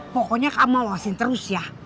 pokoknya kamu lolosin terus ya